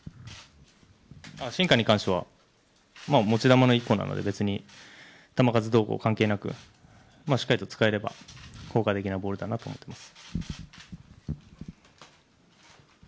シンカーに関しては、持ち球の一個なので、球数どうこう関係なく、しっかりと使えれば効果的なボールだなと思ってます。